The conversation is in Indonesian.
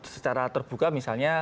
secara terbuka misalnya